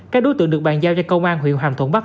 các đối tượng được bàn giao cho công an huyện hàm thuận bắc